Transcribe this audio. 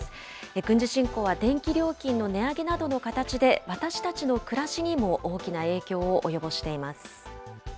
軍事侵攻は電気料金の値上げなどの形で、私たちの暮らしにも大きな影響を及ぼしています。